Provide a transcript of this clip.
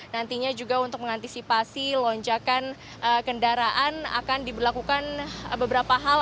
nantinya juga untuk mengantisipasi lonjakan kendaraan akan diberlakukan beberapa hal